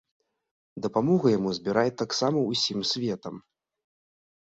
Дапамогу яму збіраюць таксама ўсім светам.